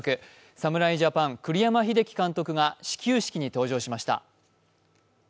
侍ジャパン・栗山英樹監督が始球式に登場しました。